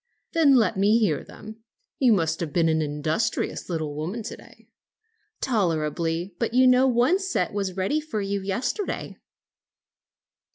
"Then let me hear them. You must have been an industrious little woman to day." "Tolerably; but you know one set was ready for you yesterday."